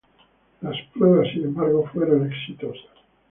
Las pruebas, sin embargo, fueron exitosas.